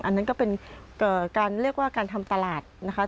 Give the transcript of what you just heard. อันนั้นก็เป็นการเรียกว่าการทำตลาดนะคะ